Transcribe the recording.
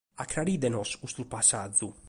Acraride·nos custu passàgiu.